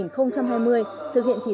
năm hai nghìn hai mươi thực hiện chỉ đạo